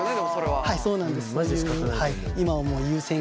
はいそうなんです。